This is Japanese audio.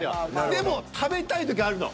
でも食べたい時あるの。